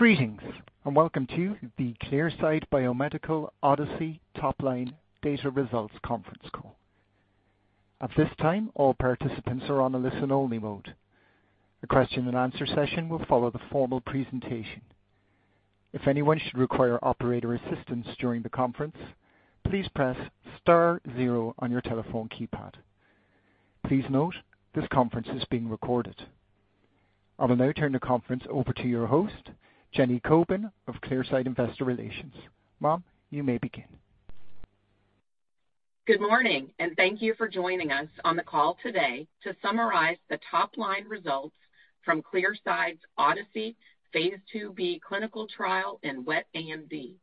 Greetings, and welcome to the Clearside Biomedical ODYSSEY top-line data results conference call. At this time, all participants are on a listen-only mode. A question-and-answer session will follow the formal presentation. If anyone should require operator assistance during the conference, please press star zero on your telephone keypad. Please note, this conference is being recorded. I will now turn the conference over to your host, Jenny Coben of Clearside Investor Relations. Ma'am, you may begin. Good morning, and thank you for joining us on the call today to summarize the top-line results from Clearside's ODYSSEY phase IIb clinical trial in wet AMD.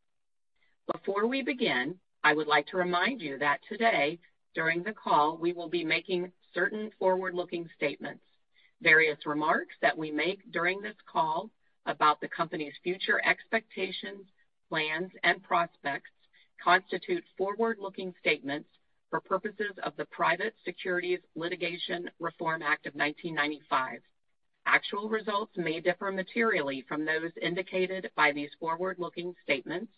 Before we begin, I would like to remind you that today, during the call, we will be making certain forward-looking statements. Various remarks that we make during this call about the company's future expectations, plans, and prospects constitute forward-looking statements for purposes of the Private Securities Litigation Reform Act of nineteen ninety-five. Actual results may differ materially from those indicated by these forward-looking statements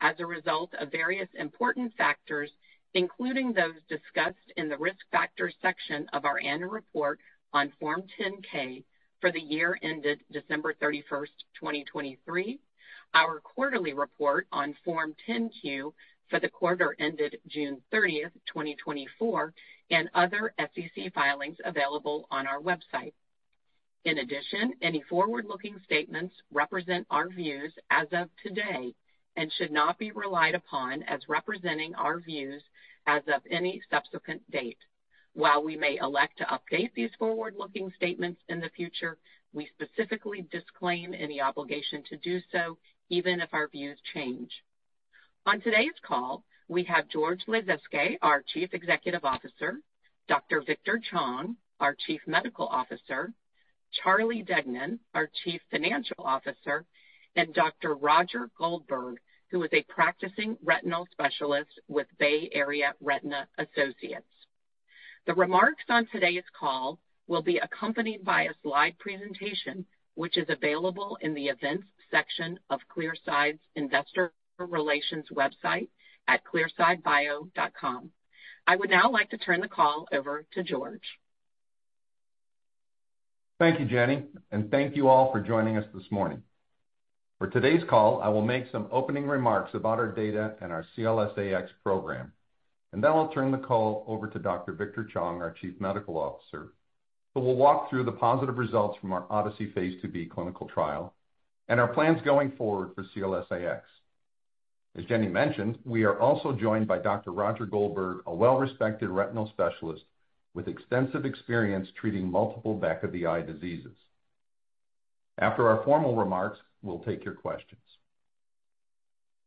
as a result of various important factors, including those discussed in the Risk Factors section of our annual report on Form 10-K for the year ended December thirty-first, 2023, our quarterly report on Form 10-Q for the quarter ended June thirtieth, 2024, and other SEC filings available on our website. In addition, any forward-looking statements represent our views as of today and should not be relied upon as representing our views as of any subsequent date. While we may elect to update these forward-looking statements in the future, we specifically disclaim any obligation to do so, even if our views change. On today's call, we have George Lasezkay, our Chief Executive Officer, Dr. Victor Chong, our Chief Medical Officer, Charlie Deignan, our Chief Financial Officer, and Dr. Roger Goldberg, who is a practicing retinal specialist with Bay Area Retina Associates. The remarks on today's call will be accompanied by a slide presentation, which is available in the Events section of Clearside's Investor Relations website at clearsidebio.com. I would now like to turn the call over to George. Thank you, Jenny, and thank you all for joining us this morning. For today's call, I will make some opening remarks about our data and our CLS-AX program, and then I'll turn the call over to Dr. Victor Chong, our Chief Medical Officer, who will walk through the positive results from our ODYSSEY phase IIb clinical trial and our plans going forward for CLS-AX. As Jenny mentioned, we are also joined by Dr. Roger Goldberg, a well-respected retinal specialist with extensive experience treating multiple back-of-the-eye diseases. After our formal remarks, we'll take your questions.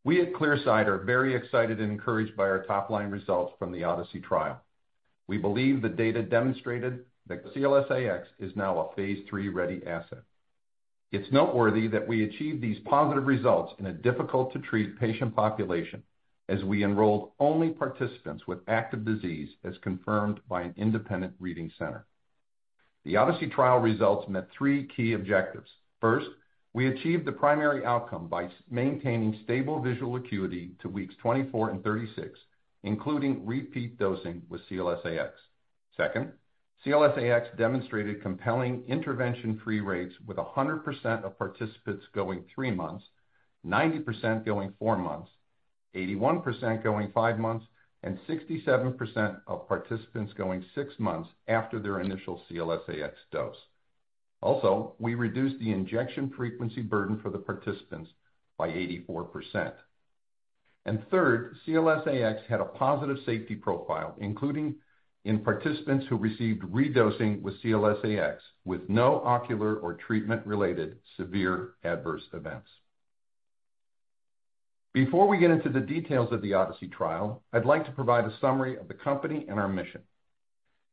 We at Clearside are very excited and encouraged by our top-line results from the ODYSSEY trial. We believe the data demonstrated that CLS-AX is now a phase III-ready asset. It's noteworthy that we achieved these positive results in a difficult-to-treat patient population, as we enrolled only participants with active disease, as confirmed by an independent reading center. The ODYSSEY trial results met three key objectives. First, we achieved the primary outcome by maintaining stable visual acuity to weeks 24 and 36, including repeat dosing with CLS-AX. Second, CLS-AX demonstrated compelling intervention-free rates with 100% of participants going three months, 90% going four months, 81% going five months, and 67% of participants going six months after their initial CLS-AX dose. Also, we reduced the injection frequency burden for the participants by 84%. And third, CLS-AX had a positive safety profile, including in participants who received redosing with CLS-AX, with no ocular or treatment-related severe adverse events. Before we get into the details of the ODYSSEY trial, I'd like to provide a summary of the company and our mission.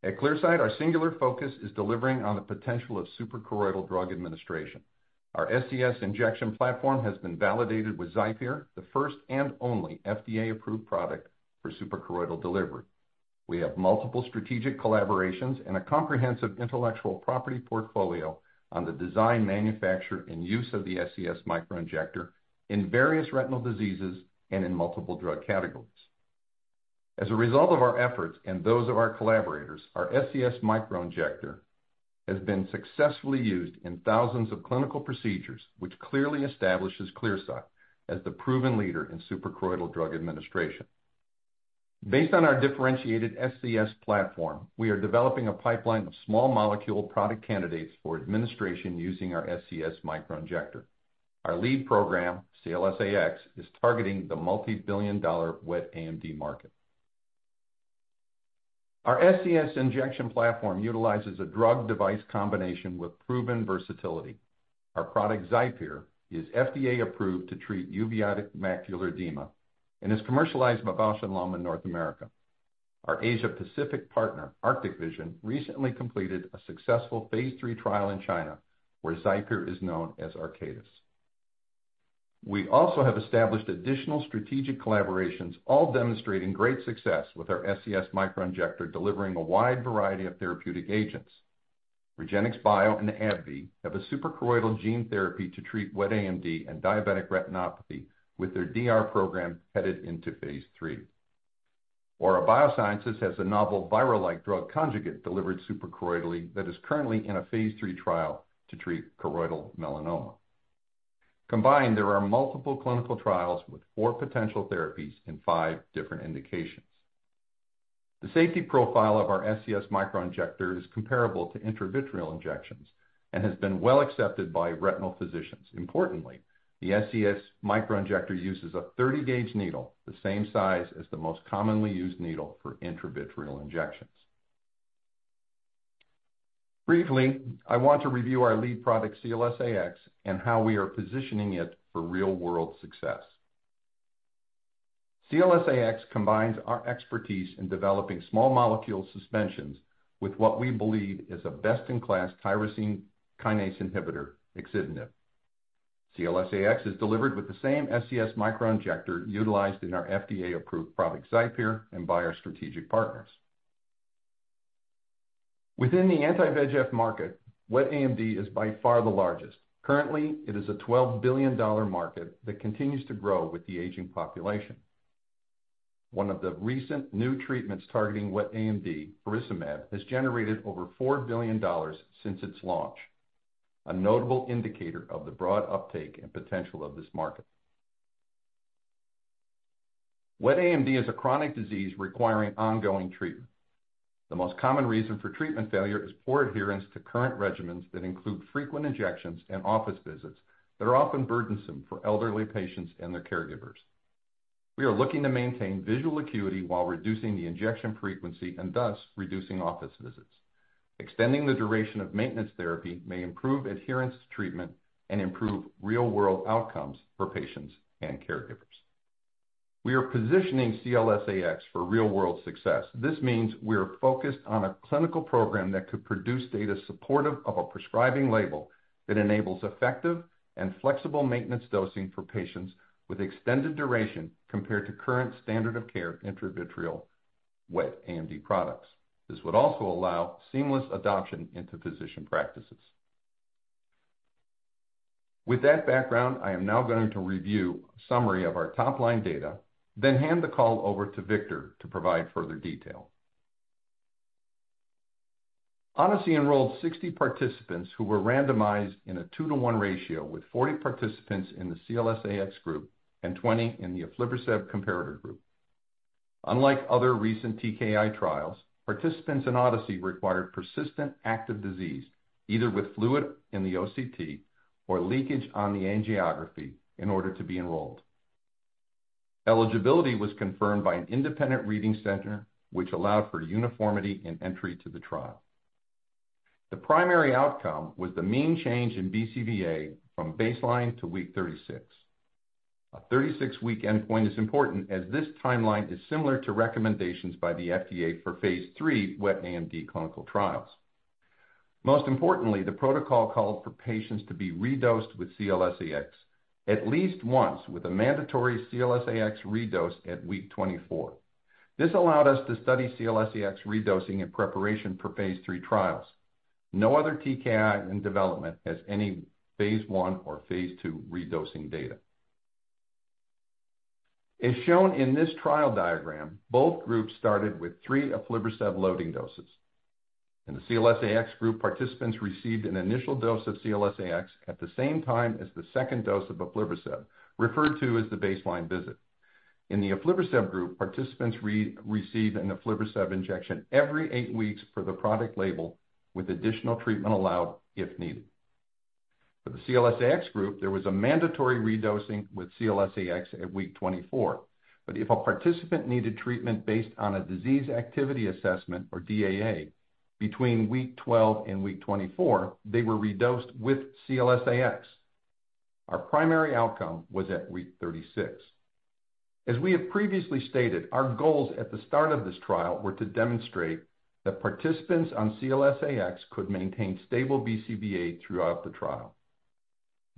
At Clearside, our singular focus is delivering on the potential of suprachoroidal drug administration. Our SCS injection platform has been validated with XIPERE, the first and only FDA-approved product for suprachoroidal delivery. We have multiple strategic collaborations and a comprehensive intellectual property portfolio on the design, manufacture, and use of the SCS microinjector in various retinal diseases and in multiple drug categories. As a result of our efforts and those of our collaborators, our SCS microinjector has been successfully used in thousands of clinical procedures, which clearly establishes Clearside as the proven leader in suprachoroidal drug administration. Based on our differentiated SCS platform, we are developing a pipeline of small-molecule product candidates for administration using our SCS microinjector. Our lead program, CLS-AX, is targeting the multibillion-dollar wet AMD market. Our SCS injection platform utilizes a drug-device combination with proven versatility. Our product, XIPERE, is FDA-approved to treat uveitic macular edema and is commercialized by Bausch + Lomb in North America. Our Asia Pacific partner, Arctic Vision, recently completed a successful phase III trial in China, where XIPERE is known as ARCATUS. We also have established additional strategic collaborations, all demonstrating great success with our SCS Microinjector, delivering a wide variety of therapeutic agents. REGENXBIO and AbbVie have a suprachoroidal gene therapy to treat wet AMD and diabetic retinopathy, with their DR program headed into phase III. Aura Biosciences has a novel viral-like drug conjugate delivered suprachoroidally that is currently in a phase III trial to treat choroidal melanoma. Combined, there are multiple clinical trials with four potential therapies in five different indications. The safety profile of our SCS Microinjector is comparable to intravitreal injections and has been well accepted by retinal physicians. Importantly, the SCS Microinjector uses a 30-gauge needle, the same size as the most commonly used needle for intravitreal injections. Briefly, I want to review our lead product, CLS-AX, and how we are positioning it for real-world success. CLS-AX combines our expertise in developing small molecule suspensions with what we believe is a best-in-class tyrosine kinase inhibitor, axitinib. CLS-AX is delivered with the same SCS Microinjector utilized in our FDA-approved product, XIPERE, and by our strategic partners. Within the anti-VEGF market, wet AMD is by far the largest. Currently, it is a $12 billion market that continues to grow with the aging population. One of the recent new treatments targeting wet AMD, faricimab, has generated over $4 billion since its launch, a notable indicator of the broad uptake and potential of this market. Wet AMD is a chronic disease requiring ongoing treatment. The most common reason for treatment failure is poor adherence to current regimens that include frequent injections and office visits that are often burdensome for elderly patients and their caregivers. We are looking to maintain visual acuity while reducing the injection frequency and thus reducing office visits. Extending the duration of maintenance therapy may improve adherence to treatment and improve real-world outcomes for patients and caregivers. We are positioning CLS-AX for real-world success. This means we are focused on a clinical program that could produce data supportive of a prescribing label that enables effective and flexible maintenance dosing for patients with extended duration compared to current standard of care intravitreal wet AMD products. This would also allow seamless adoption into physician practices. With that background, I am now going to review a summary of our top-line data, then hand the call over to Victor to provide further detail. ODYSSEY enrolled sixty participants who were randomized in a two-to-one ratio, with forty participants in the CLS-AX group and twenty in the aflibercept comparator group. Unlike other recent TKI trials, participants in ODYSSEY required persistent active disease, either with fluid in the OCT or leakage on the angiography, in order to be enrolled. Eligibility was confirmed by an independent reading center, which allowed for uniformity in entry to the trial. The primary outcome was the mean change in BCVA from baseline to week thirty-six. A thirty-six-week endpoint is important, as this timeline is similar to recommendations by the FDA for phase III wet AMD clinical trials. Most importantly, the protocol called for patients to be redosed with CLS-AX at least once, with a mandatory CLS-AX redose at week 24. This allowed us to study CLS-AX redosing in preparation for phase III trials. No other TKI in development has any phase I or phase II redosing data. As shown in this trial diagram, both groups started with three aflibercept loading doses. In the CLS-AX group, participants received an initial dose of CLS-AX at the same time as the second dose of aflibercept, referred to as the baseline visit. In the aflibercept group, participants received an aflibercept injection every eight weeks per the product label, with additional treatment allowed if needed. For the CLS-AX group, there was a mandatory redosing with CLS-AX at week 24, but if a participant needed treatment based on a disease activity assessment, or DAA, between week twelve and week 24, they were redosed with CLS-AX. Our primary outcome was at week thirty-six. As we have previously stated, our goals at the start of this trial were to demonstrate that participants on CLS-AX could maintain stable BCVA throughout the trial,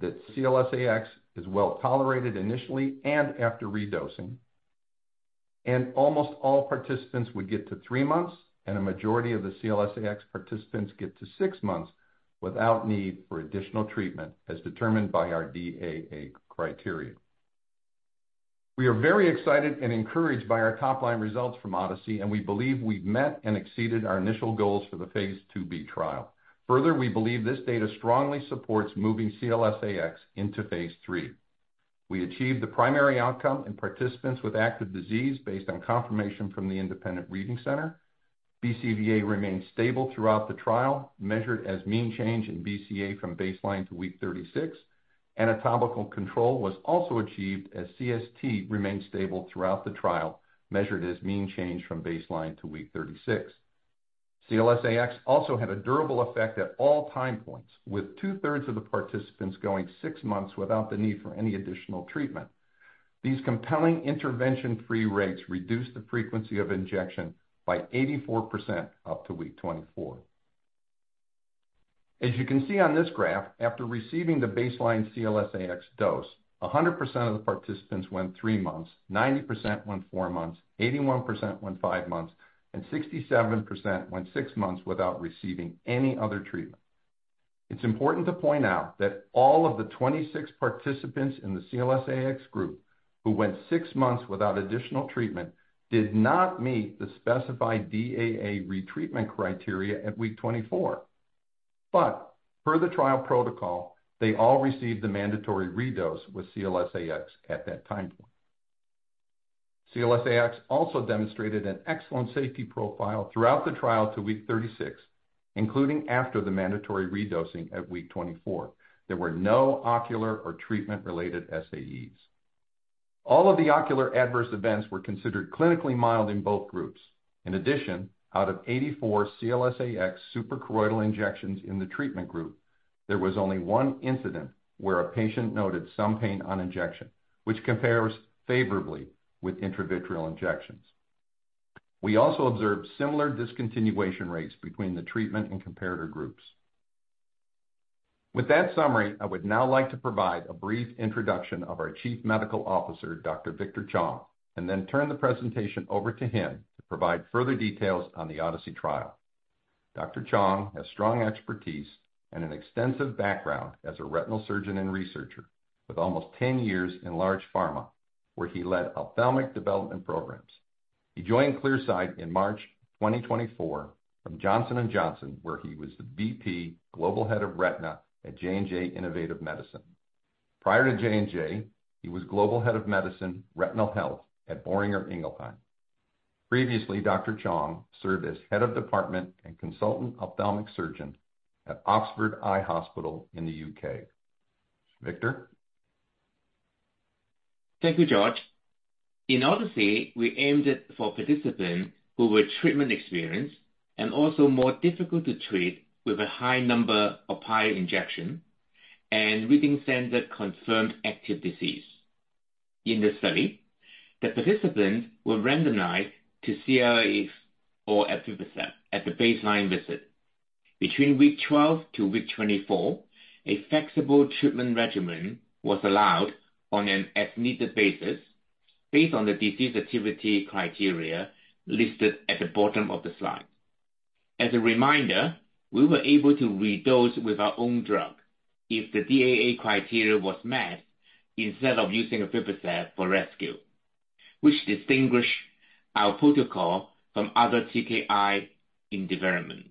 that CLS-AX is well tolerated initially and after redosing, and almost all participants would get to three months, and a majority of the CLS-AX participants get to six months without need for additional treatment, as determined by our DAA criteria. We are very excited and encouraged by our top-line results from ODYSSEY, and we believe we've met and exceeded our initial goals for the phase IIb trial. Further, we believe this data strongly supports moving CLS-AX into phase III. We achieved the primary outcome in participants with active disease based on confirmation from the independent reading center. BCVA remained stable throughout the trial, measured as mean change in BCVA from baseline to week thirty-six. Anatomical control was also achieved as CST remained stable throughout the trial, measured as mean change from baseline to week thirty-six. CLS-AX also had a durable effect at all time points, with two-thirds of the participants going six months without the need for any additional treatment. These compelling intervention-free rates reduced the frequency of injection by 84% up to week 24. As you can see on this graph, after receiving the baseline CLS-AX dose, 100% of the participants went 3 months, 90% went 4 months, 81% went 5 months, and 67% went 6 months without receiving any other treatment. It's important to point out that all of the 26 participants in the CLS-AX group who went 6 months without additional treatment did not meet the specified DAA retreatment criteria at week 24. But per the trial protocol, they all received the mandatory redose with CLS-AX at that time point. CLS-AX also demonstrated an excellent safety profile throughout the trial to week 36, including after the mandatory redosing at week 24. There were no ocular or treatment-related SAEs. All of the ocular adverse events were considered clinically mild in both groups. In addition, out of 84 CLS-AX suprachoroidal injections in the treatment group, there was only one incident where a patient noted some pain on injection, which compares favorably with intravitreal injections. We also observed similar discontinuation rates between the treatment and comparator groups. With that summary, I would now like to provide a brief introduction of our Chief Medical Officer, Dr. Victor Chong, and then turn the presentation over to him to provide further details on the ODYSSEY trial. Dr. Chong has strong expertise and an extensive background as a retinal surgeon and researcher with almost 10 years in large pharma, where he led ophthalmic development programs. He joined Clearside in March 2024 from Johnson & Johnson, where he was the VP, Global Head of Retina at J&J Innovative Medicine. Prior to J&J, he was Global Head of Medicine, Retinal Health at Boehringer Ingelheim. Previously, Dr. Chong served as head of department and consultant ophthalmic surgeon at Oxford Eye Hospital in the UK. Victor? Thank you, George. In ODYSSEY, we aimed it for participants who were treatment experienced and also more difficult to treat with a high number of prior injections and reading center confirmed active disease. In this study, the participants were randomized to CLS-AX or aflibercept at the baseline visit. Between week 12 to week 24, a flexible treatment regimen was allowed on an as-needed basis, based on the disease activity criteria listed at the bottom of the slide. As a reminder, we were able to redose with our own drug if the DAA criteria was met, instead of using aflibercept for rescue, which distinguish our protocol from other TKI in development.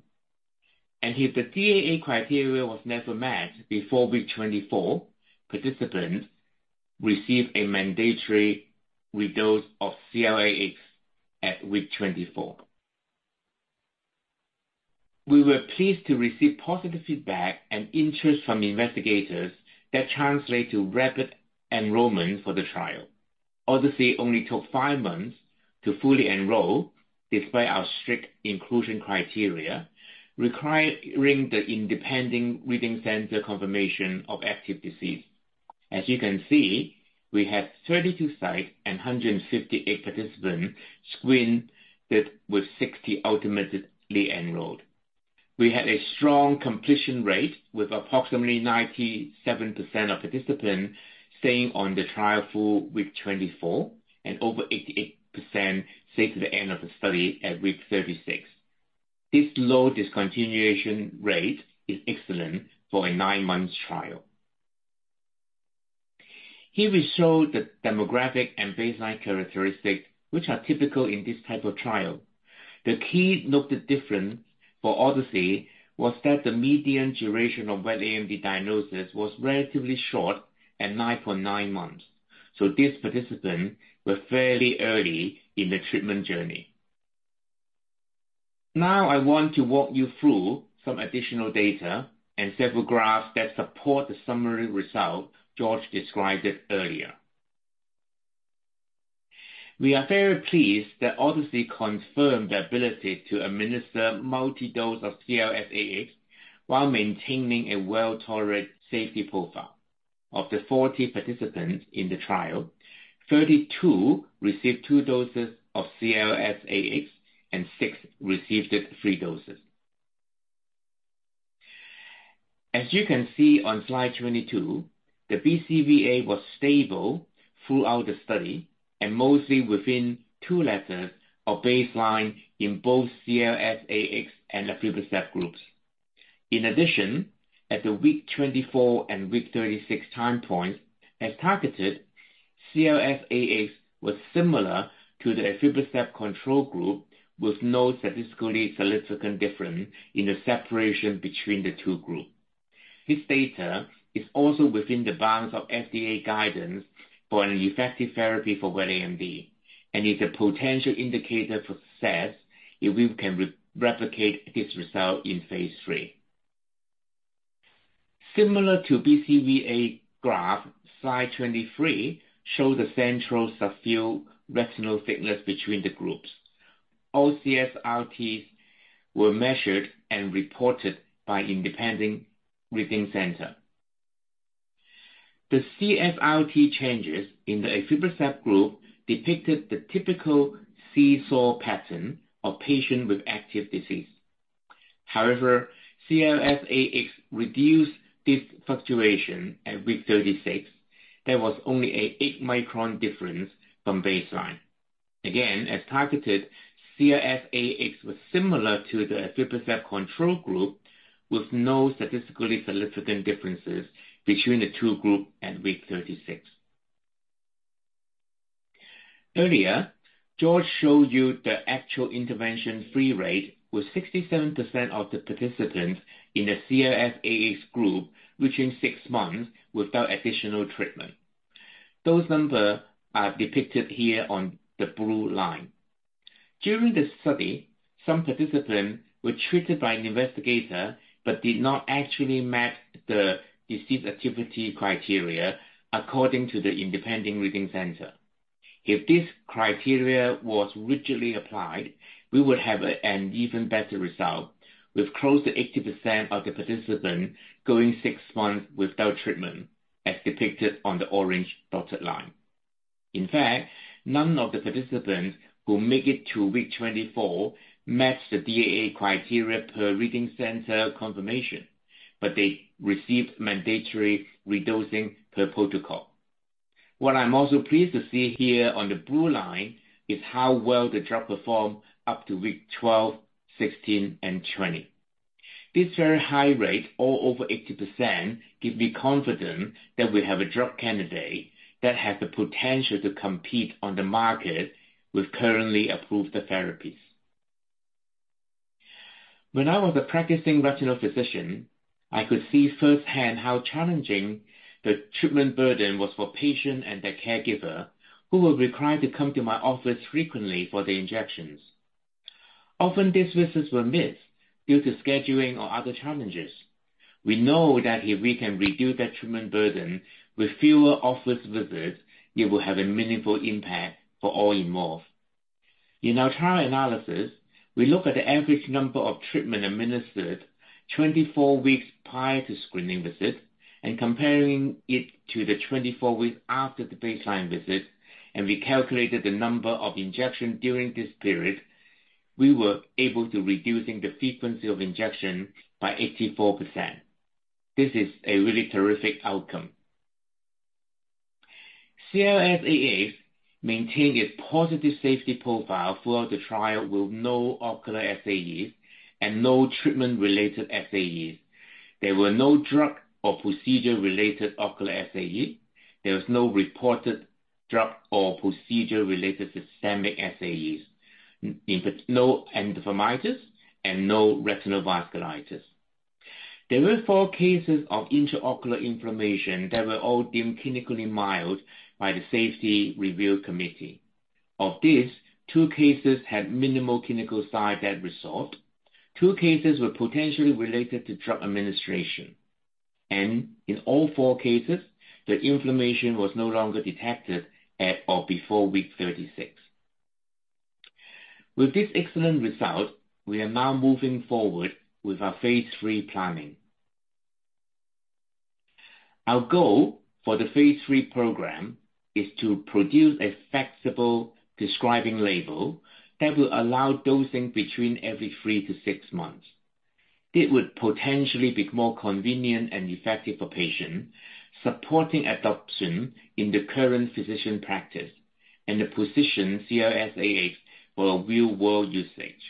If the DAA criteria was never met before week 24, participants received a mandatory redose of CLS-AX at week 24. We were pleased to receive positive feedback and interest from investigators that translate to rapid enrollment for the trial. ODYSSEY only took five months to fully enroll, despite our strict inclusion criteria, requiring the independent reading center confirmation of active disease. As you can see, we had 32 sites and 158 participants screened, with 60 ultimately enrolled. We had a strong completion rate, with approximately 97% of participants staying on the trial through week 24, and over 88% stayed to the end of the study at week 36. This low discontinuation rate is excellent for a 9-month trial. Here we show the demographic and baseline characteristics, which are typical in this type of trial. The key noted difference for ODYSSEY was that the median duration of wet AMD diagnosis was relatively short at 9.9 months, so these participants were fairly early in the treatment journey. Now, I want to walk you through some additional data and several graphs that support the summary result George described it earlier. We are very pleased that ODYSSEY confirmed the ability to administer multi-dose of CLS-AX while maintaining a well-tolerated safety profile. Of the 40 participants in the trial, 32 received two doses of CLS-AX and six received the three doses. As you can see on slide 22, the BCVA was stable throughout the study and mostly within two letters of baseline in both CLS-AX and aflibercept groups. In addition, at the week 24 and week 36 time points, as targeted, CLS-AX was similar to the aflibercept control group, with no statistically significant difference in the separation between the two groups. This data is also within the bounds of FDA guidance for an effective therapy for wet AMD and is a potential indicator for success if we can replicate this result in phase III. Similar to BCVA graph, slide 23 shows the central subfield retinal thickness between the groups. All CSRTs were measured and reported by independent reading center. The CSRT changes in the aflibercept group depicted the typical seesaw pattern of patients with active disease. However, CLS-AX reduced this fluctuation at week 36. There was only an eight-micron difference from baseline. Again, as targeted, CLS-AX was similar to the aflibercept control group, with no statistically significant differences between the two groups at week 36. Earlier, George showed you the actual intervention-free rate, with 67% of the participants in the CLS-AX group reaching six months without additional treatment. Those numbers are depicted here on the blue line. During the study, some participants were treated by an investigator, but did not actually match the disease activity criteria according to the independent reading center. If this criteria was rigidly applied, we would have an even better result, with close to 80% of the participants going six months without treatment, as depicted on the orange dotted line. In fact, none of the participants who make it to week 24 matched the DAA criteria per reading center confirmation, but they received mandatory redosing per protocol. What I'm also pleased to see here on the blue line is how well the drug performed up to week 12, 16, and 20. This very high rate, all over 80%, gives me confidence that we have a drug candidate that has the potential to compete on the market with currently approved therapies. When I was a practicing retinal physician, I could see firsthand how challenging the treatment burden was for patients and their caregivers, who were required to come to my office frequently for the injections. Often, these visits were missed due to scheduling or other challenges. We know that if we can reduce that treatment burden with fewer office visits, it will have a meaningful impact for all involved. In our trial analysis, we look at the average number of treatments administered 24 weeks prior to screening visit and comparing it to the 24 weeks after the baseline visit, and we calculated the number of injections during this period. We were able to reduce the frequency of injection by 84%. This is a really terrific outcome. CLS-AX maintained a positive safety profile throughout the trial, with no ocular SAEs and no treatment-related SAEs. There were no drug or procedure-related ocular SAEs. There was no reported drug or procedure-related systemic SAEs, no endophthalmitis and no retinal vasculitis. There were four cases of intraocular inflammation that were all deemed clinically mild by the Safety Review Committee. Of these, two cases had minimal clinical signs that resolved. Two cases were potentially related to drug administration, and in all four cases, the inflammation was no longer detected at or before week 36. With this excellent result, we are now moving forward with our phase III planning. Our goal for the phase III program is to produce a flexible prescribing label that will allow dosing between every three to six months. It would potentially be more convenient and effective for patients, supporting adoption in the current physician practice and the position CLS-AX for a real-world usage.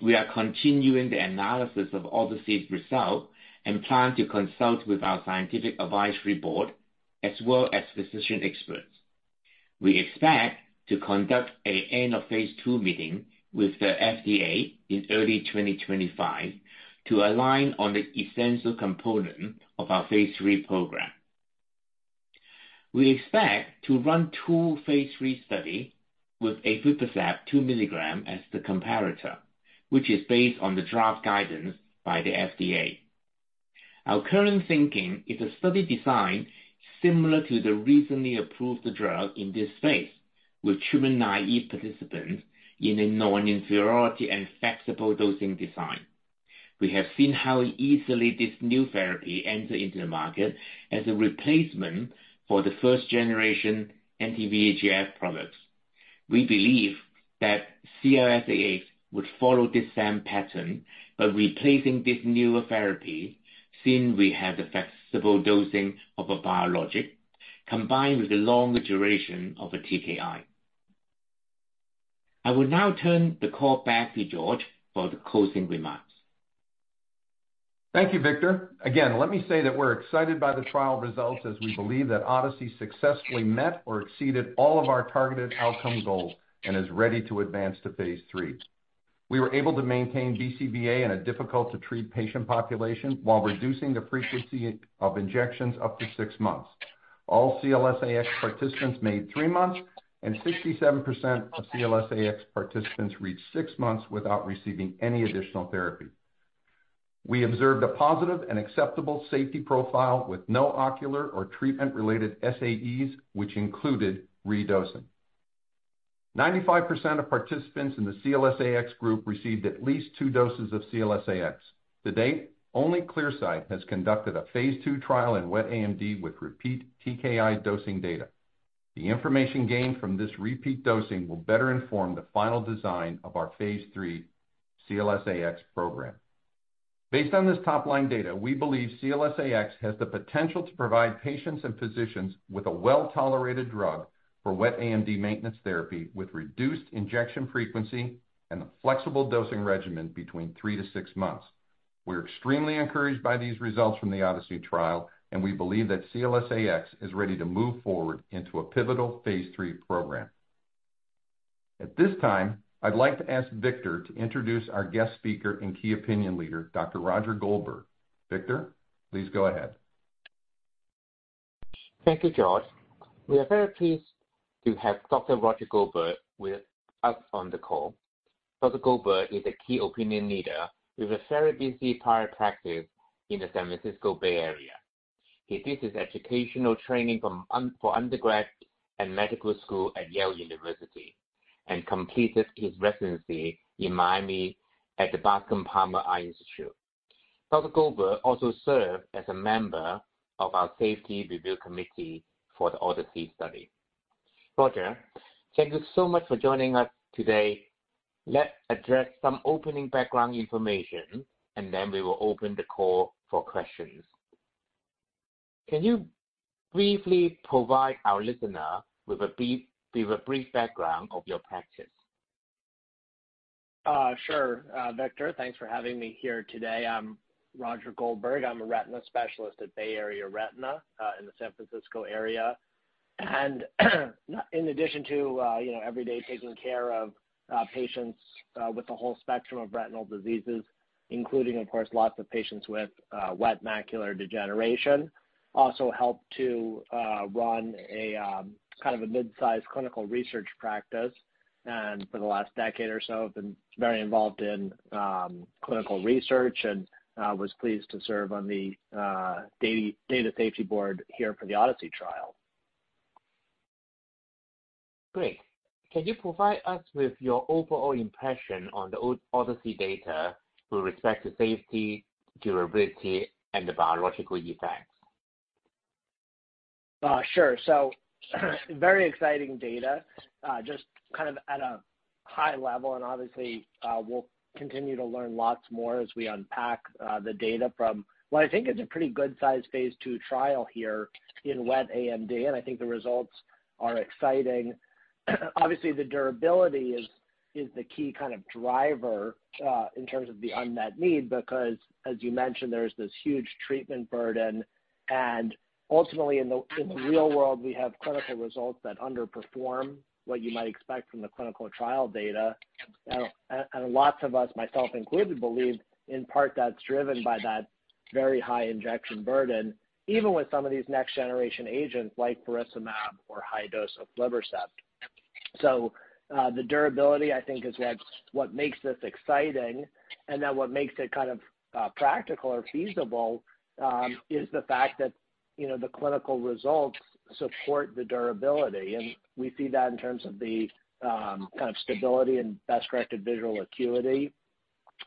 We are continuing the analysis of all the saved results and plan to consult with our scientific advisory board as well as physician experts. We expect to conduct an end-of-phase II meeting with the FDA in early 2025 to align on the essential component of our phase III program. We expect to run two phase III study with aflibercept two milligram as the comparator, which is based on the draft guidance by the FDA. Our current thinking is a study design similar to the recently approved drug in this space, with treatment-naive participants in a non-inferiority and flexible dosing design. We have seen how easily this new therapy enter into the market as a replacement for the first-generation anti-VEGF products. We believe that CLS-AX would follow this same pattern by replacing this newer therapy, since we have the flexible dosing of a biologic combined with the longer duration of a TKI. I will now turn the call back to George for the closing remarks. Thank you, Victor. Again, let me say that we're excited by the trial results, as we believe that ODYSSEY successfully met or exceeded all of our targeted outcome goals and is ready to advance to phase III. We were able to maintain BCVA in a difficult-to-treat patient population while reducing the frequency of injections up to six months. All CLS-AX participants made three months, and 67% of CLS-AX participants reached six months without receiving any additional therapy. We observed a positive and acceptable safety profile with no ocular or treatment-related SAEs, which included redosing. 95% of participants in the CLS-AX group received at least two doses of CLS-AX. To date, only Clearside has conducted a phase II trial in wet AMD with repeat TKI dosing data. The information gained from this repeat dosing will better inform the final design of our phase III CLS-AX program. Based on this top-line data, we believe CLS-AX has the potential to provide patients and physicians with a well-tolerated drug for wet AMD maintenance therapy with reduced injection frequency and a flexible dosing regimen between three to six months. We're extremely encouraged by these results from the ODYSSEY trial, and we believe that CLS-AX is ready to move forward into a pivotal phase III program. At this time, I'd like to ask Victor to introduce our guest speaker and key opinion leader, Dr. Roger Goldberg. Victor, please go ahead. Thank you, George. We are very pleased to have Dr. Roger Goldberg with us on the call. Dr. Goldberg is a key opinion leader with a very busy private practice in the San Francisco Bay Area. He did his educational training for undergrad and medical school at Yale University, and completed his residency in Miami at the Bascom Palmer Eye Institute. Dr. Goldberg also served as a member of our Safety Review Committee for the ODYSSEY study. Roger, thank you so much for joining us today. Let's address some opening background information, and then we will open the call for questions. Can you briefly provide our listener with a brief background of your practice? Sure, Victor. Thanks for having me here today. I'm Roger Goldberg. I'm a retina specialist at Bay Area Retina in the San Francisco area. In addition to you know every day taking care of patients with a whole spectrum of retinal diseases, including of course lots of patients with wet macular degeneration, I also help to run a kind of a mid-size clinical research practice. For the last decade or so, I've been very involved in clinical research and was pleased to serve on the data safety board here for the ODYSSEY trial. Great. Can you provide us with your overall impression on the ODYSSEY data with respect to safety, durability, and the biological effects? Sure. So very exciting data, just kind of at a high level, and obviously, we'll continue to learn lots more as we unpack the data from what I think is a pretty good-sized Phase II trial here in wet AMD, and I think the results are exciting. Obviously, the durability is the key kind of driver in terms of the unmet need, because as you mentioned, there's this huge treatment burden. And ultimately, in the real world, we have clinical results that underperform what you might expect from the clinical trial data. And lots of us, myself included, believe in part that's driven by that very high injection burden, even with some of these next-generation agents like faricimab or high dose of aflibercept. The durability, I think, is what makes this exciting, and then what makes it kind of practical or feasible is the fact that, you know, the clinical results support the durability, and we see that in terms of the kind of stability and best-corrected visual acuity.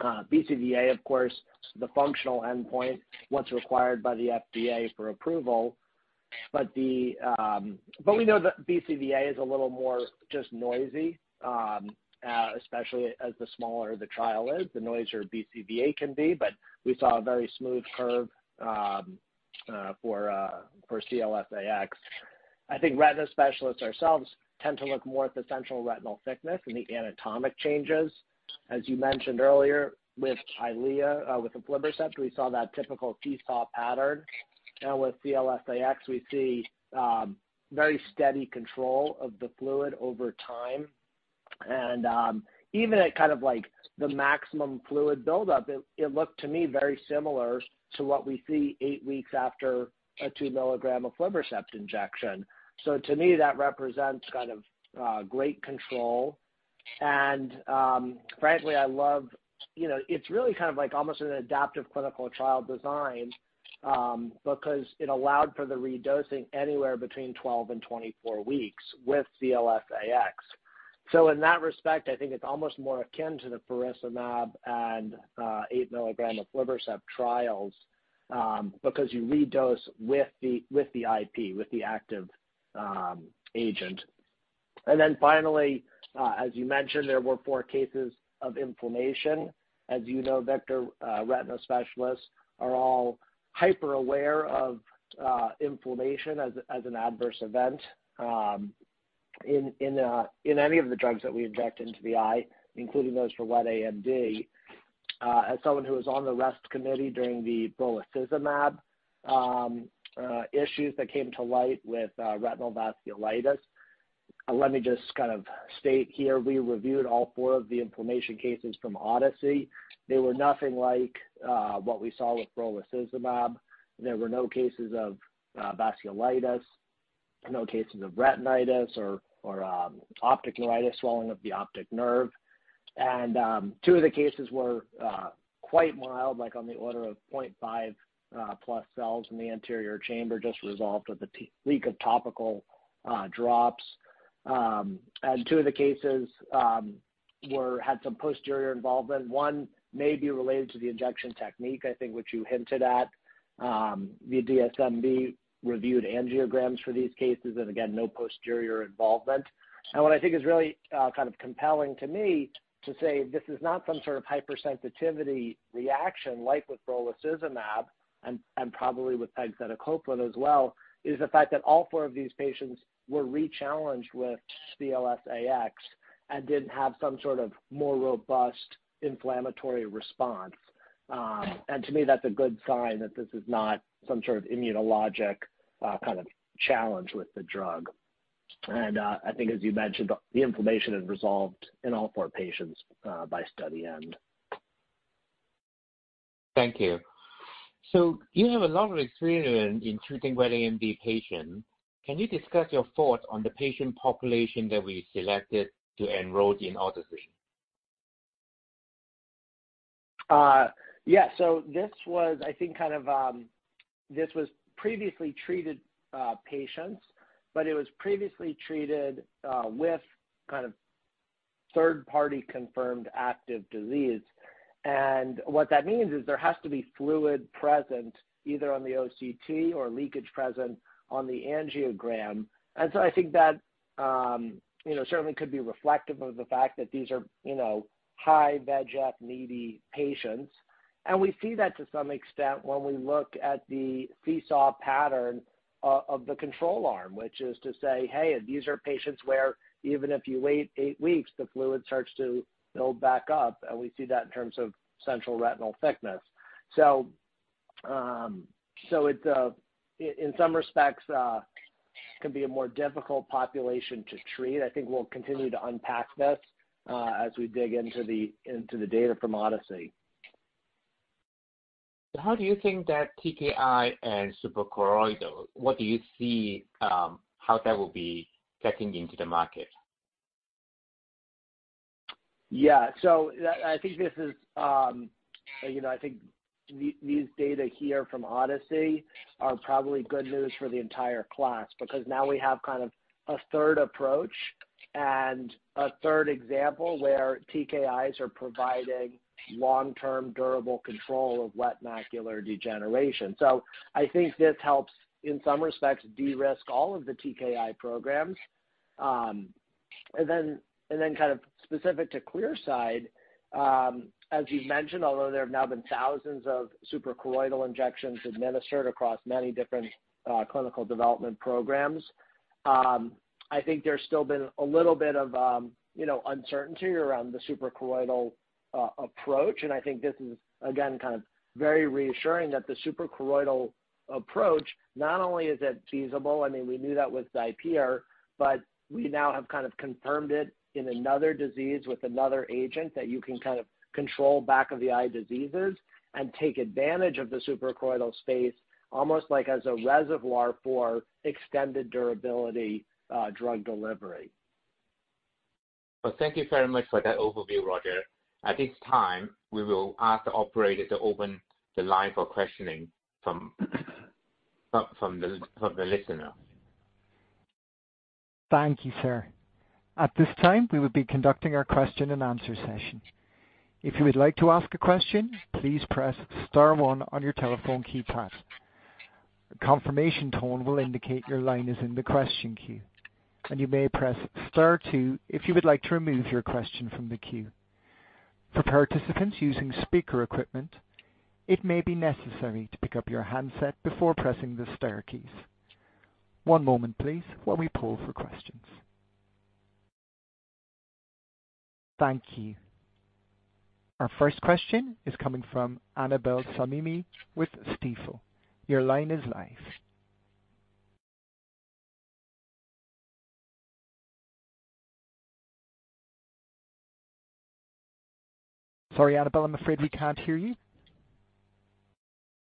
BCVA, of course, the functional endpoint, what's required by the FDA for approval. But we know that BCVA is a little more just noisy, especially as the smaller the trial is, the noisier BCVA can be. But we saw a very smooth curve for CLS-AX. I think retina specialists ourselves tend to look more at the central retinal thickness and the anatomic changes. As you mentioned earlier, with EYLEA, with aflibercept, we saw that typical seesaw pattern. With CLS-AX, we see very steady control of the fluid over time. And even at kind of like the maximum fluid buildup, it looked to me very similar to what we see eight weeks after a two-milligram Aflibercept injection. So to me, that represents kind of great control. And frankly, I love... You know, it's really kind of like almost an adaptive clinical trial design, because it allowed for the redosing anywhere between 12 and 24 weeks with CLS-AX. So in that respect, I think it's almost more akin to the faricimab and eight milligram Aflibercept trials, because you redose with the IP, with the active agent. And then finally, as you mentioned, there were four cases of inflammation. As you know, Victor, retina specialists are all hyper-aware of inflammation as an adverse event in any of the drugs that we inject into the eye, including those for wet AMD. As someone who was on the Safety Review Committee during the brolucizumab issues that came to light with retinal vasculitis, let me just kind of state here, we reviewed all four of the inflammation cases from ODYSSEY. They were nothing like what we saw with brolucizumab. There were no cases of vasculitis, no cases of retinitis or optic neuritis, swelling of the optic nerve. Two of the cases were quite mild, like on the order of point five plus cells in the anterior chamber, just resolved with a tapering of topical drops. Two of the cases had some posterior involvement. One may be related to the injection technique, I think, which you hinted at. The DSMB reviewed angiograms for these cases, and again, no posterior involvement. What I think is really kind of compelling to me to say this is not some sort of hypersensitivity reaction, like with brolucizumab, and probably with pegcetacoplan as well, is the fact that all four of these patients were rechallenged with CLS-AX and didn't have some sort of more robust inflammatory response. To me, that's a good sign that this is not some sort of immunologic kind of challenge with the drug. I think as you mentioned, the inflammation had resolved in all four patients by study end. Thank you. So you have a lot of experience in treating wet AMD patients. Can you discuss your thoughts on the patient population that we selected to enroll in ODYSSEY? Yeah. So this was, I think, kind of, this was previously treated patients, but it was previously treated with kind of third-party confirmed active disease. And what that means is there has to be fluid present either on the OCT or leakage present on the angiogram. And so I think that, you know, certainly could be reflective of the fact that these are, you know, high VEGF needy patients. And we see that to some extent when we look at the seesaw pattern of the control arm, which is to say, hey, these are patients where even if you wait eight weeks, the fluid starts to build back up, and we see that in terms of central retinal thickness. So, so it in some respects can be a more difficult population to treat. I think we'll continue to unpack this, as we dig into the data from ODYSSEY. How do you think that TKI and suprachoroidal, what do you see, how that will be getting into the market? Yeah. So I think this is, you know, I think these data here from ODYSSEY are probably good news for the entire class, because now we have kind of a third approach and a third example where TKIs are providing long-term, durable control of wet macular degeneration. So I think this helps, in some respects, de-risk all of the TKI programs. And then kind of specific to Clearside, as you mentioned, although there have now been thousands of suprachoroidal injections administered across many different clinical development programs, I think there's still been a little bit of, you know, uncertainty around the suprachoroidal approach. And I think this is, again, kind of very reassuring that the suprachoroidal approach, not only is it feasible, I mean, we knew that with XIPERE, but we now have kind of confirmed it in another disease, with another agent, that you can kind of control back-of-the-eye diseases and take advantage of the suprachoroidal space, almost like as a reservoir for extended durability, drug delivery. Thank you very much for that overview, Roger. At this time, we will ask the operator to open the line for questioning from the listener. Thank you, sir. At this time, we will be conducting our question-and-answer session. If you would like to ask a question, please press star one on your telephone keypad. A confirmation tone will indicate your line is in the question queue, and you may press star two if you would like to remove your question from the queue. For participants using speaker equipment, it may be necessary to pick up your handset before pressing the star keys. One moment, please, while we pull for questions. Thank you. Our first question is coming from Annabel Samimy with Stifel. Your line is live. Sorry, Annabel, I'm afraid we can't hear you.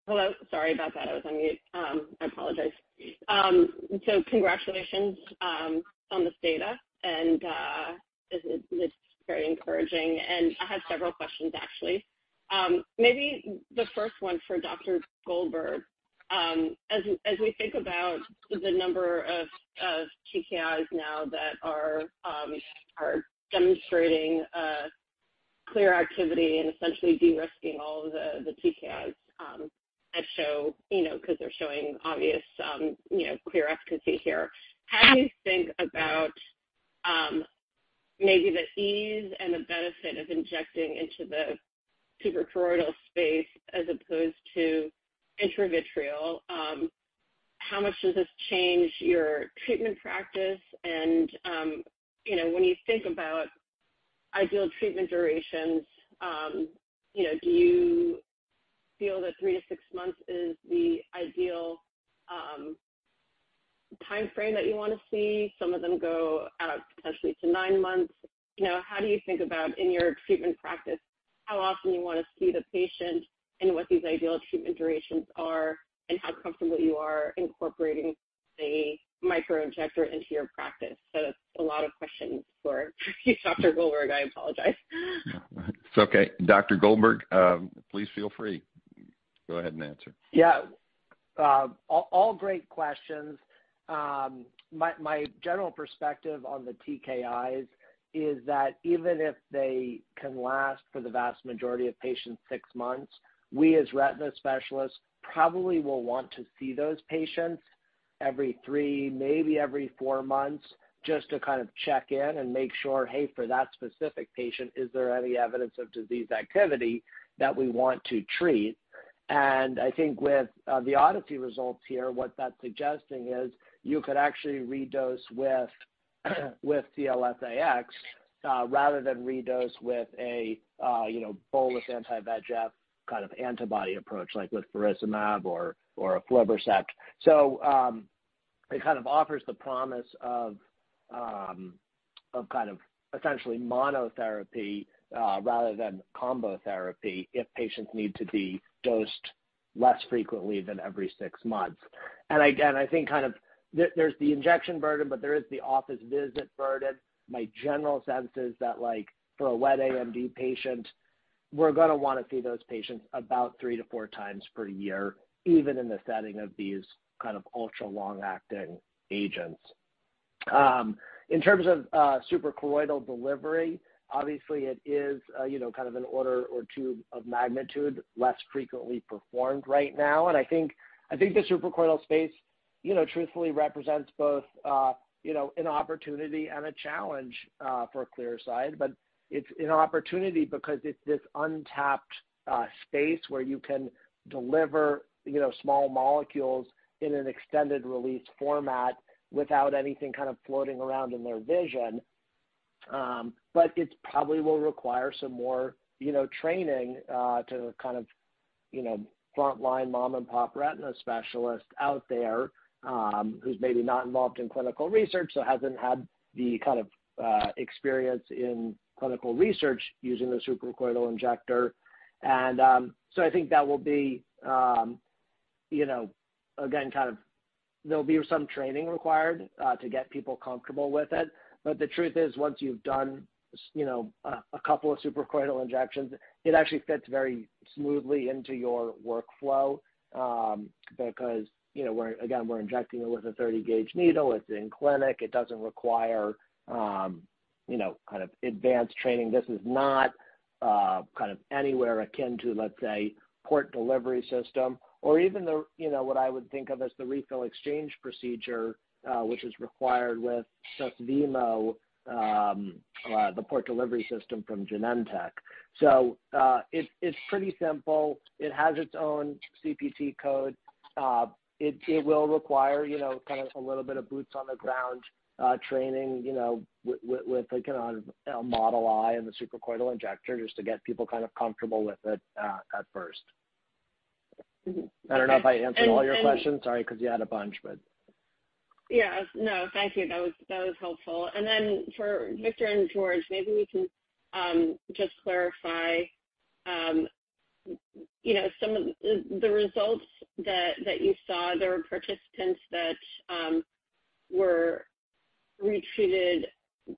Hello. Sorry about that. I was on mute. I apologize, so congratulations on this data, and this is very encouraging, and I have several questions, actually. Maybe the first one for Dr. Goldberg. As we think about the number of TKIs now that are demonstrating a clear activity and essentially de-risking all of the TKIs that show, you know, because they're showing obvious, you know, clear efficacy here. How do you think about maybe the ease and the benefit of injecting into the suprachoroidal space as opposed to intravitreal? How much does this change your treatment practice? And, you know, when you think about ideal treatment durations, you know, do you feel that three to six months is the ideal timeframe that you want to see? Some of them go out potentially to nine months. You know, how do you think about in your treatment practice? How often you want to see the patient, and what these ideal treatment durations are, and how comfortable you are incorporating a micro injector into your practice? So that's a lot of questions for you, Dr. Goldberg. I apologize. Yeah. It's okay. Dr. Goldberg, please feel free. Go ahead and answer. Yeah. All great questions. My general perspective on the TKIs is that even if they can last for the vast majority of patients, six months, we, as retina specialists, probably will want to see those patients every three, maybe every four months, just to kind of check in and make sure, hey, for that specific patient, is there any evidence of disease activity that we want to treat? And I think with the ODYSSEY results here, what that's suggesting is you could actually redose with CLS-AX, rather than redose with a you know, bolus anti-VEGF kind of antibody approach, like with Aflibercept or Aflibercept. So, it kind of offers the promise of kind of essentially monotherapy, rather than combo therapy if patients need to be dosed less frequently than every six months. And again, I think kind of there, there's the injection burden, but there is the office visit burden. My general sense is that, like, for a wet AMD patient, we're gonna wanna see those patients about three to four times per year, even in the setting of these kind of ultra-long-acting agents. In terms of suprachoroidal delivery, obviously it is, you know, kind of an order or two of magnitude less frequently performed right now. And I think the suprachoroidal space, you know, truthfully represents both, you know, an opportunity and a challenge for Clearside. But it's an opportunity because it's this untapped space where you can deliver, you know, small molecules in an extended-release format without anything kind of floating around in their vision. But it probably will require some more, you know, training to kind of, you know, frontline mom-and-pop retina specialists out there, who's maybe not involved in clinical research, so hasn't had the kind of experience in clinical research using the suprachoroidal injector. So I think that will be, you know, again, kind of there'll be some training required to get people comfortable with it. But the truth is, once you've done, you know, a couple of suprachoroidal injections, it actually fits very smoothly into your workflow, because, you know, we're again, we're injecting it with a 30-gauge needle. It's in clinic. It doesn't require, you know, kind of advanced training. This is not kind of anywhere akin to, let's say, Port Delivery System or even the, you know, what I would think of as the refill exchange procedure, which is required with Suvimo, the Port Delivery System from Genentech. So, it's pretty simple. It has its own CPT code. It will require, you know, kind of a little bit of boots-on-the-ground training, you know, with like, a model eye and the suprachoroidal injector, just to get people kind of comfortable with it, at first. Okay, and- I don't know if I answered all your questions. Sorry, because you had a bunch, but. Yeah. No, thank you. That was helpful. And then for Victor and George, maybe we can just clarify, you know, some of the results that you saw. There were participants that were retreated.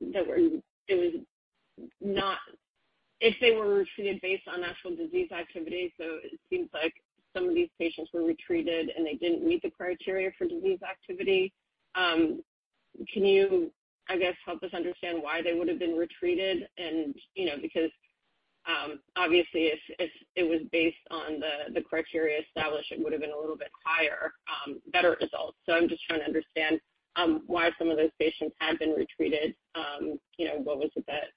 It was not if they were retreated based on actual disease activity. So it seems like some of these patients were retreated, and they didn't meet the criteria for disease activity. Can you, I guess, help us understand why they would have been retreated? And, you know, because, obviously if it was based on the criteria established, it would have been a little bit higher, better results. So I'm just trying to understand why some of those patients had been retreated. You know, what was it that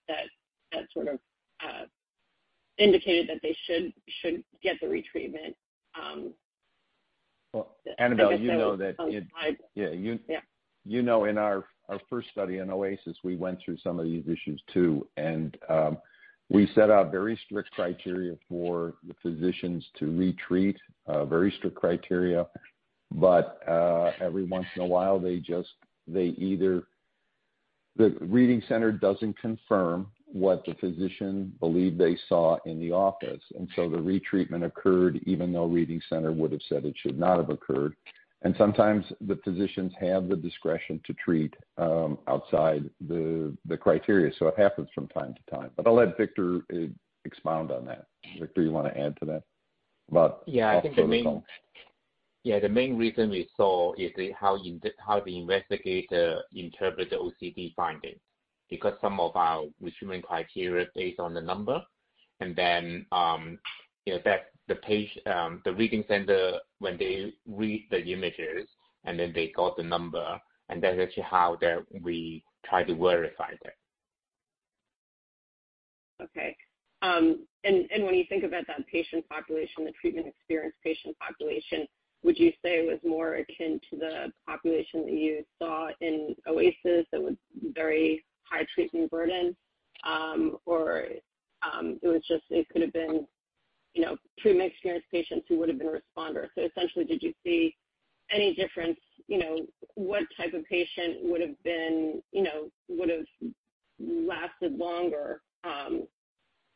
that sort of indicated that they should get the retreatment? Um, Well, Annabel- I guess that was- You know that it- I- Yeah, you- Yeah. You know, in our first study in OASIS, we went through some of these issues, too, and we set out very strict criteria for the physicians to retreat, very strict criteria. But every once in a while, The reading center doesn't confirm what the physician believed they saw in the office, and so the retreatment occurred, even though reading center would have said it should not have occurred. And sometimes the physicians have the discretion to treat outside the criteria. So it happens from time to time. But I'll let Victor expound on that. Victor, you want to add to that? About- Yeah, I think the main- Okay. Yeah, the main reason we saw is the how the investigator interpret the OCT findings. Because some of our recruitment criteria is based on the number, and then, you know, that the reading center, when they read the images, and then they got the number, and that's actually how we try to verify that. Okay. And when you think about that patient population, the treatment-experienced patient population, would you say it was more akin to the population that you saw in OASIS, that was very high treatment burden? Or, it was just it could have been-... you know, pre-mixed patients who would have been a responder. So essentially, did you see any difference, you know, what type of patient would have been, you know, would have lasted longer,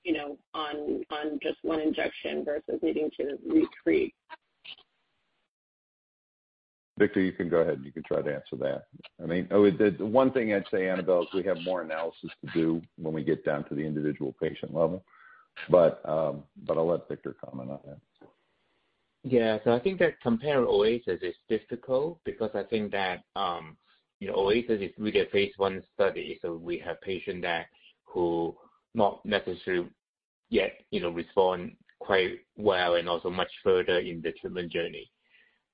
you know, on just one injection versus needing to retreat? Victor, you can go ahead, and you can try to answer that. I mean, the one thing I'd say, Annabel, is we have more analysis to do when we get down to the individual patient level. But, I'll let Victor comment on that. Yeah. So I think that comparing OASIS is difficult because I think that, you know, OASIS is really a phase I study, so we have patients there who not necessarily yet, you know, respond quite well and also much further in the treatment journey.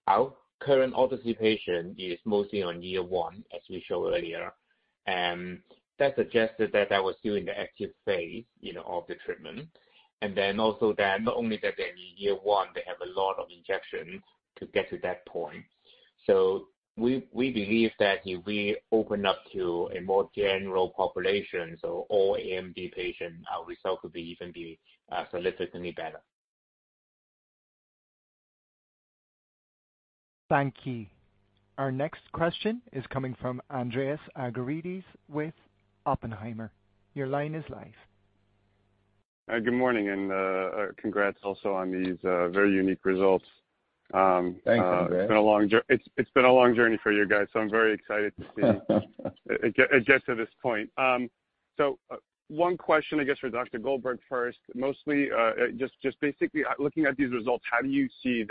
Our current ODYSSEY patient is mostly on year one, as we showed earlier, and that suggested that that was still in the active phase, you know, of the treatment. And then also that not only that they're in year one, they have a lot of injections to get to that point. So we believe that if we open up to a more general population, so all AMD patients, our results could even be significantly better. Thank you. Our next question is coming from Andreas Argyrides with Oppenheimer. Your line is live. Good morning, and congrats also on these very unique results. Thank you, Andreas. It's been a long journey for you guys, so I'm very excited to see it get to this point. One question, I guess, for Dr. Goldberg first. Mostly, just basically looking at these results, how do you see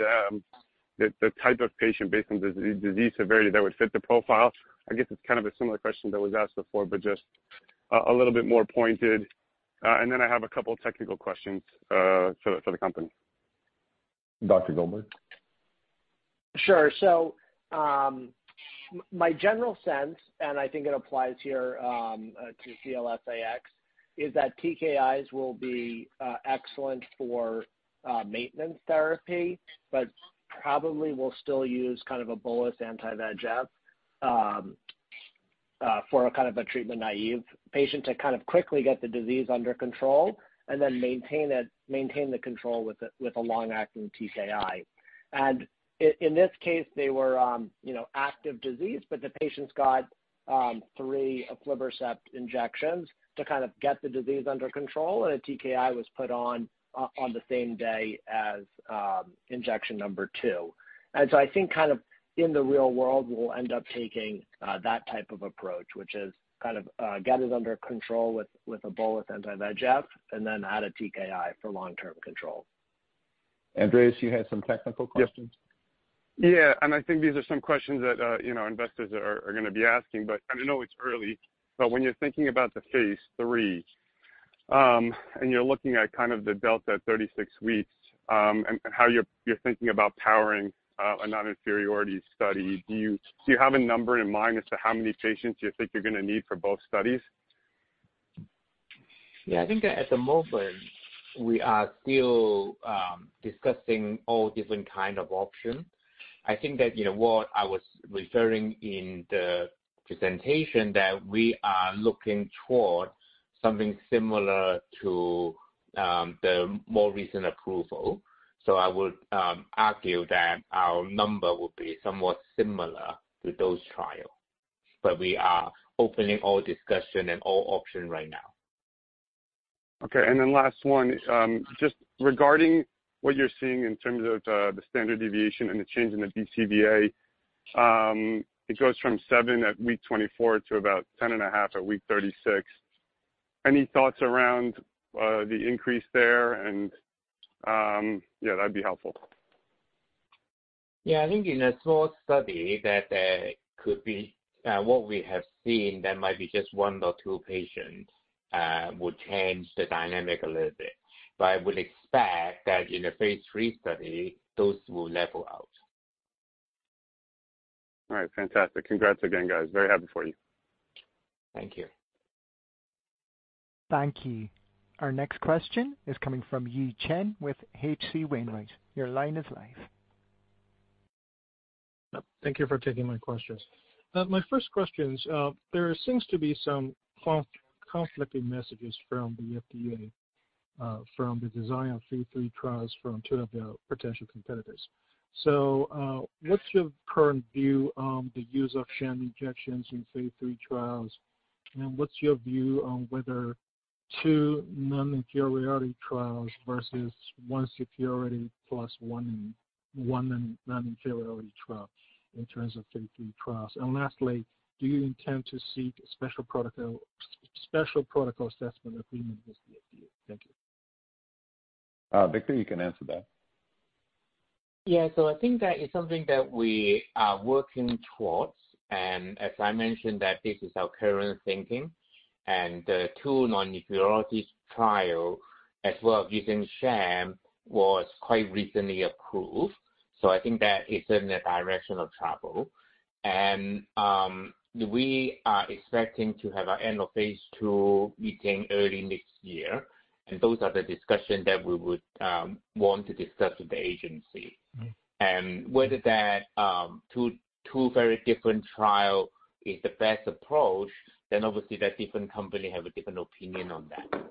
the type of patient based on disease severity that would fit the profile? I guess it's kind of a similar question that was asked before, but just a little bit more pointed. And then I have a couple of technical questions for the company. Dr. Goldberg? Sure. So, my general sense, and I think it applies here, to CLS-AX, is that TKIs will be excellent for maintenance therapy, but probably we'll still use kind of a bolus anti-VEGF for a kind of a treatment-naive patient to kind of quickly get the disease under control and then maintain it, maintain the control with a, with a long-acting TKI. And in this case, they were, you know, active disease, but the patients got three Aflibercept injections to kind of get the disease under control, and a TKI was put on the same day as injection number two. And so I think kind of in the real world, we'll end up taking that type of approach, which is kind of get it under control with a bolus anti-VEGF, and then add a TKI for long-term control. Andreas, you had some technical questions? Yep. Yeah, and I think these are some questions that, you know, investors are gonna be asking. But I know it's early, but when you're thinking about the phase III, and you're looking at kind of the delta at thirty-six weeks, and how you're thinking about powering a non-inferiority study, do you have a number in mind as to how many patients you think you're gonna need for both studies? Yeah, I think that at the moment, we are still discussing all different kind of options. I think that, you know, what I was referring in the presentation, that we are looking towards something similar to the more recent approval. So I would argue that our number would be somewhat similar to those trial, but we are opening all discussion and all options right now. Okay, and then last one. Just regarding what you're seeing in terms of the standard deviation and the change in the BCVA, it goes from 7 at week 24 to about 10.5 at week 36. Any thoughts around the increase there? Yeah, that'd be helpful. Yeah, I think in a small study that there could be what we have seen. There might be just one or two patients would change the dynamic a little bit. But I would expect that in a phase III study, those will level out. All right. Fantastic. Congrats again, guys. Very happy for you. Thank you. Thank you. Our next question is coming from Yi Chen with HC Wainwright. Your line is live. Thank you for taking my questions. My first questions, there seems to be some conflicting messages from the FDA, from the design of phase III trials from two of the potential competitors. So, what's your current view on the use of sham injections in phase III trials? And what's your view on whether two non-inferiority trials versus one superiority plus one non-inferiority trial in terms of phase III trials? And lastly, do you intend to seek special protocol assessment agreement with the FDA? Thank you. Victor, you can answer that. Yeah, so I think that is something that we are working towards. And as I mentioned, that this is our current thinking, and the two non-inferiority trial, as well as using sham, was quite recently approved. So I think that is in the direction of travel. And, we are expecting to have our end of phase II meeting early next year, and those are the discussions that we would want to discuss with the agency. And whether that, two very different trial is the best approach, then obviously, that different company have a different opinion on that.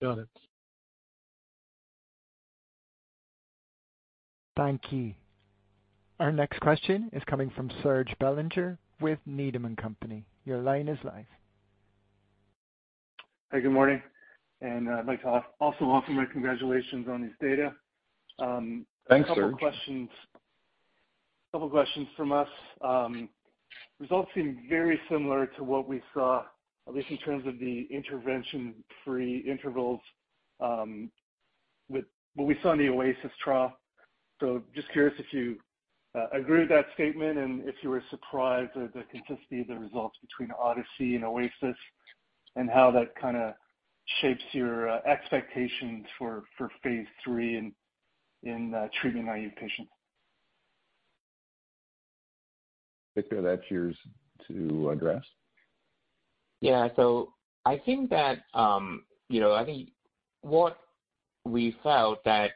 Got it. Thank you. Our next question is coming from Serge Belanger with Needham & Company. Your line is live. Hi, good morning, and I'd like to also offer my congratulations on this data. Thanks, Serge. A couple of questions, couple questions from us. Results seem very similar to what we saw, at least in terms of the intervention-free intervals, with what we saw in the OASIS trial. So just curious if you agree with that statement, and if you were surprised at the consistency of the results between ODYSSEY and OASIS, and how that kind of shapes your expectations for phase III in treatment-naive patients? Victor, that's yours to address. Yeah. So I think that, you know, I think what we felt that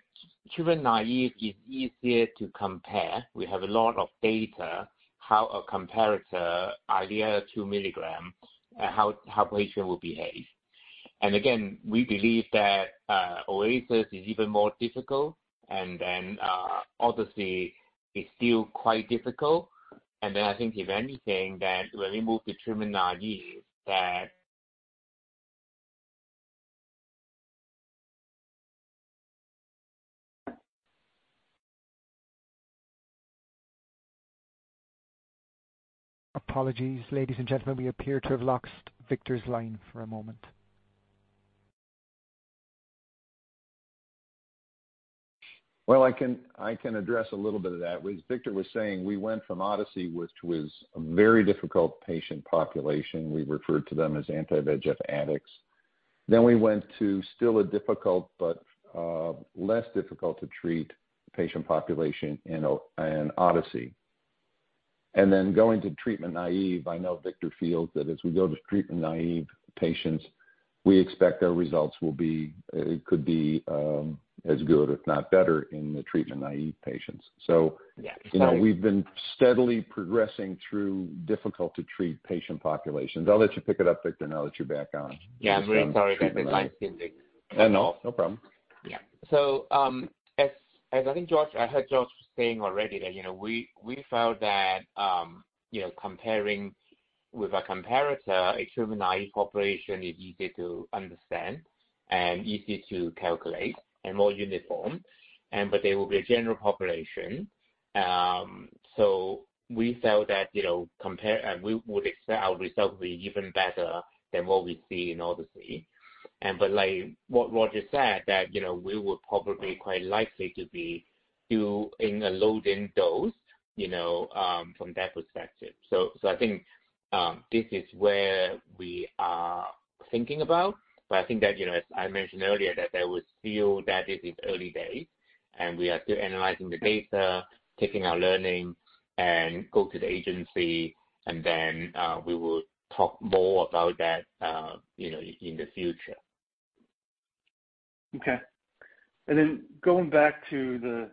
treatment-naive is easier to compare. We have a lot of data, how a comparator EYLEA two milligram, how patient will behave. And again, we believe that, OASIS is even more difficult, and then, obviously, it's still quite difficult. And then I think, if anything, that when we move to treatment-naive, that- Apologies, ladies and gentlemen, we appear to have lost Victor's line for a moment. I can address a little bit of that. As Victor was saying, we went from ODYSSEY, which was a very difficult patient population. We referred to them as anti-VEGF addicts. Then we went to still a difficult but, less difficult to treat patient population in ODYSSEY. Then going to treatment-naive, I know Victor feels that as we go to treatment-naive patients, we expect our results will be, it could be, as good, if not better, in the treatment-naive patients. Yeah. So, you know, we've been steadily progressing through difficult-to-treat patient populations. I'll let you pick it up, Victor, now that you're back on. Yeah, I'm very sorry for the line finding. No, no problem. Yeah. So, as I think, George, I heard George saying already that, you know, we felt that, you know, comparing with a comparator, a treatment-naive population is easy to understand and easy to calculate and more uniform, but they will be a general population. So we felt that, you know, and we would expect our results will be even better than what we see in ODYSSEY. But like what Roger said, that, you know, we would probably quite likely to be doing a loading dose, you know, from that perspective. So I think this is where we are thinking about. But I think that, you know, as I mentioned earlier, that there was still that it is early days, and we are still analyzing the data, taking our learnings and go to the agency, and then, we will talk more about that, you know, in the future. Okay. And then going back to the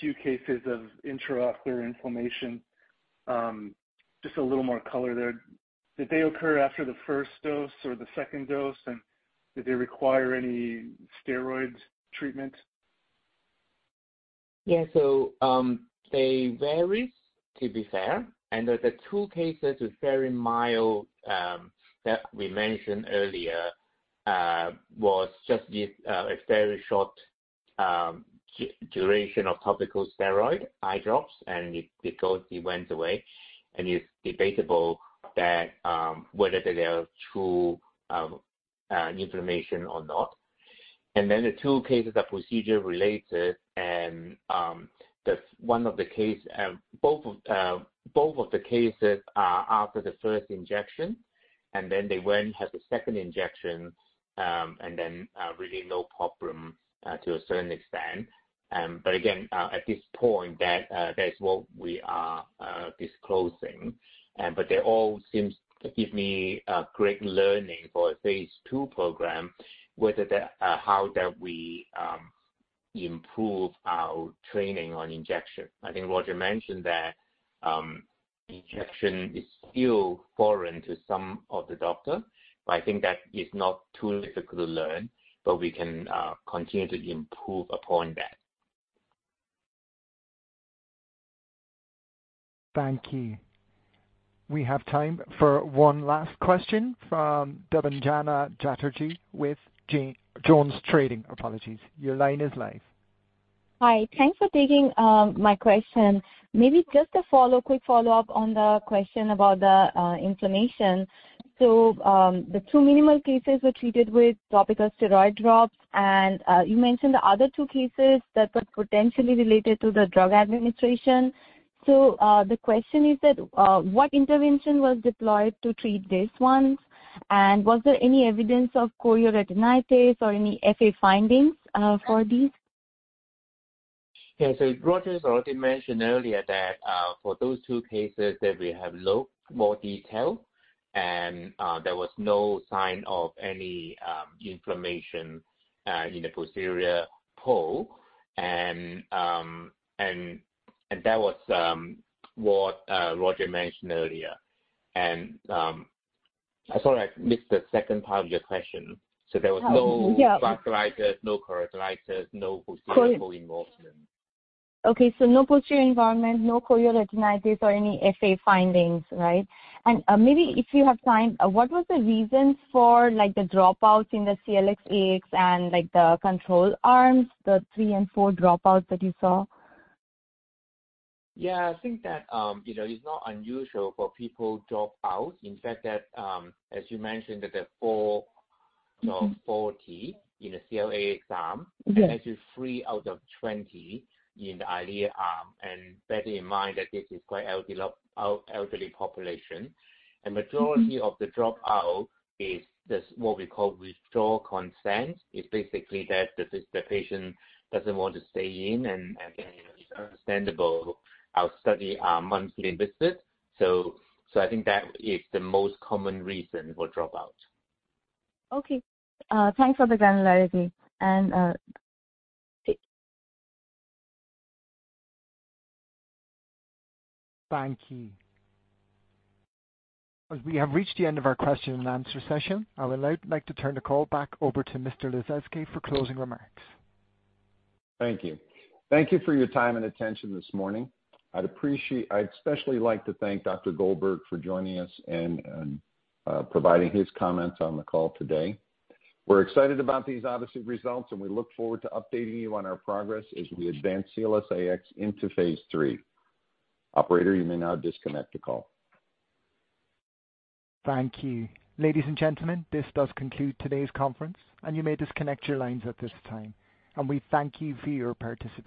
two cases of intraocular inflammation, just a little more color there. Did they occur after the first dose or the second dose, and did they require any steroid treatment? Yeah, so, they vary, to be fair, and the two cases were very mild, that we mentioned earlier, was just a very short duration of topical steroid eye drops, and it went away. And it's debatable whether they are true inflammation or not. And then the two cases are procedure related, and one of the cases, both of the cases are after the first injection, and then they went and had the second injection, and then really no problem to a certain extent. But again, at this point, that is what we are disclosing. But they all seem to give me a great learning for a phase II program, whether how we improve our training on injection. I think Roger mentioned that injection is still foreign to some of the doctor, but I think that is not too difficult to learn, but we can continue to improve upon that. Thank you. We have time for one last question from Debanjana Chatterjee with JonesTrading. Apologies. Your line is live. Hi. Thanks for taking my question. Maybe just a quick follow-up on the question about the inflammation. So, the two minimal cases were treated with topical steroid drops, and you mentioned the other two cases that were potentially related to the drug administration. So, the question is that what intervention was deployed to treat these ones, and was there any evidence of chorioretinitis or any FA findings for these? Yeah, so Roger has already mentioned earlier that for those two cases that we have a lot more detail. And there was no sign of any inflammation in the posterior pole. And that was what Roger mentioned earlier. And I'm sorry. I missed the second part of your question, so there was no vasculitis, no choroiditis, no posterior pole involvement. Okay, so no posterior involvement, no chorioretinitis, or any FA findings, right? And, maybe if you have time, what was the reasons for, like, the dropouts in the CLS-AX and, like, the control arms, the three and four dropouts that you saw? Yeah, I think that, you know, it's not unusual for people to drop out. In fact, as you mentioned, there are four out of 40 in the CLS-AX arm, and actually three out of 20 in the EYLEA arm, and bearing in mind that this is quite elderly population. Mm-hmm. And the majority of the dropout is this, what we call, withdraw consent. It's basically that the patient doesn't want to stay in, and it's understandable. Our study are monthly visits, so I think that is the most common reason for dropout. Okay, thanks for the granularity. And, thank- Thank you. As we have reached the end of our question and answer session, I would now like to turn the call back over to Mr. Lasezkay for closing remarks. Thank you. Thank you for your time and attention this morning. I'd especially like to thank Dr. Goldberg for joining us and providing his comments on the call today. We're excited about these obviously results, and we look forward to updating you on our progress as we advance CLS-AX into phase III. Operator, you may now disconnect the call. Thank you. Ladies and gentlemen, this does conclude today's conference, and you may disconnect your lines at this time, and we thank you for your participation.